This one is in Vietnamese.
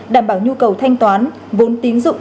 đảm bảo nhu cầu thanh toán vốn tín dụng